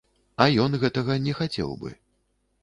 А ён гэтага не хацеў бы.